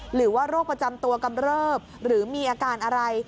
โรคประจำตัวกำเริบหรือมีอาการอะไร